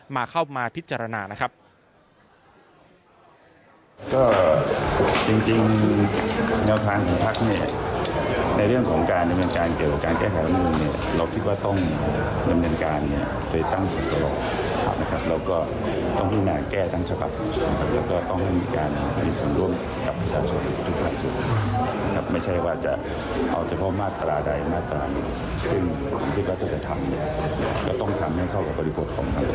มาเข้ามาพิจารณานะครับ